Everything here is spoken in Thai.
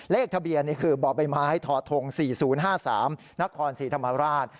เลขทะเบียนคือบ่อใบไม้ทท๔๐๕๓นครศรีธรรมราช